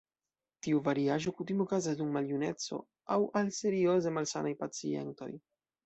Tiu variaĵo kutime okazas dum maljuneco aŭ al serioze malsanaj pacientoj.